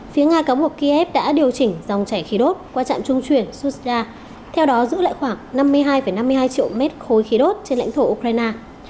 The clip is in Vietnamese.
phía nga cáo buộc kiev đã điều chỉnh dòng chảy khí đốt qua trạm trung chuyển suzda theo đó giữ lại khoảng năm mươi hai năm mươi hai triệu mét khối khí đốt trên lãnh thổ ukraine